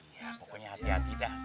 ya pokoknya hati hati dah